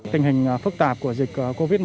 tình hình phức tạp của dịch covid một mươi